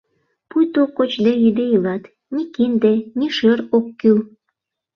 Пуйто кочде-йӱде илат, ни кинде, ни шӧр ок кӱл...